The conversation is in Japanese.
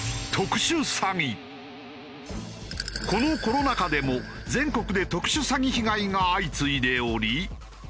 このコロナ禍でも全国で特殊詐欺被害が相次いでおり。